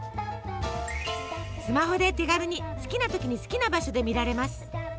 スマホで手軽に好きな時に好きな場所で見られます。